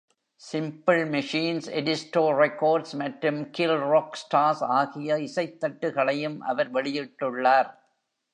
Simple Machines, Edisto Records மற்றும் Kill Rock Stars ஆகிய இசைத்தட்டுகளையும் அவர் வெளியிட்டுள்ளார்.